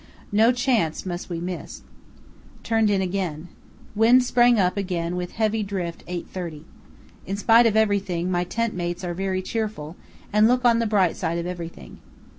No chance must we miss. Turned in again. Wind sprang up again with heavy drift 8.30. In spite of everything my tent mates are very cheerful and look on the bright side of everything.